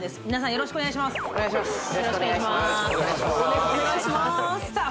よろしくお願いしますさあ